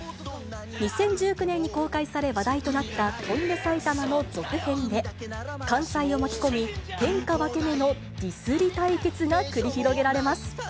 ２０１９年に公開され話題となった翔んで埼玉の続編で、関西を巻き込み、天下分け目のディスり対決が繰り広げられます。